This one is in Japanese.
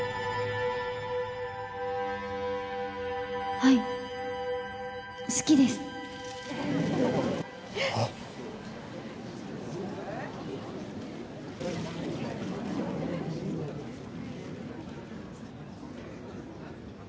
はい好きですえっあっ